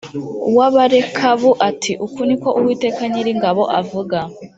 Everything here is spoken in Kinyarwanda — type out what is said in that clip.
w abarekabu ati uku ni ko uwiteka nyiringabo avuga